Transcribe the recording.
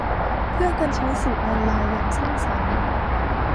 เพื่อการใช้สื่อออนไลน์อย่างสร้างสรรค์